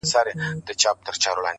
داسي قبـاله مي په وجـود كي ده.